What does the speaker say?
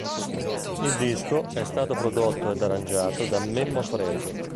Il disco è stato prodotto ed arrangiato da Memmo Foresi.